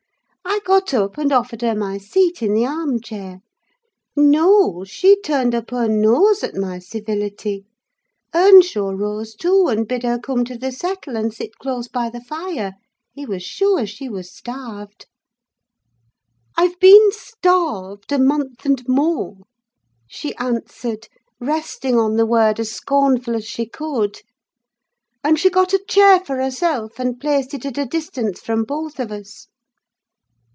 I got up and offered her my seat in the arm chair. No, she turned up her nose at my civility. Earnshaw rose, too, and bid her come to the settle, and sit close by the fire: he was sure she was starved. "'I've been starved a month and more,' she answered, resting on the word as scornful as she could. "And she got a chair for herself, and placed it at a distance from both of us.